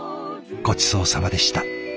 ごちそうさまでした。